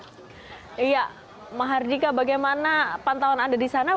iya mahardika bagaimana pantauan anda di sana